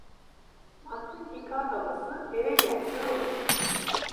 Baktın ki kar havası, eve gel kör olası.